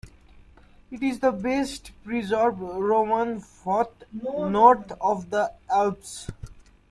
It is the best preserved Roman fort north of the Alps.